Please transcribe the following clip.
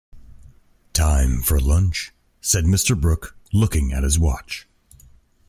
"Time for lunch," said Mr. Brooke, looking at his watch.